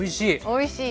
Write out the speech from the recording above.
おいしい。